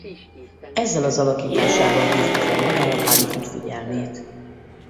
Ezzel az alakításával hívta fel magára Hollywood figyelmét.